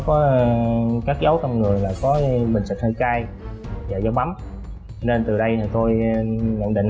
có các dấu trong người là có bình sật hơi cay và dấu bấm nên từ đây thì tôi nhận định